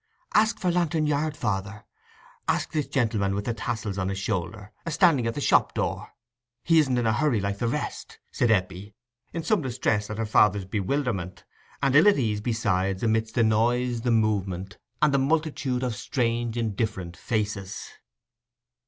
"Ask for Lantern Yard, father—ask this gentleman with the tassels on his shoulders a standing at the shop door; he isn't in a hurry like the rest," said Eppie, in some distress at her father's bewilderment, and ill at ease, besides, amidst the noise, the movement, and the multitude of strange indifferent faces.